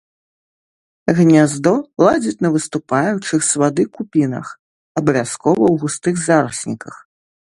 Гняздо ладзяць на выступаючых з вады купінах, абавязкова ў густых зарасніках.